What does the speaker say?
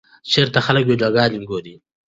چېرته خلک ویډیوګانې ګوري؟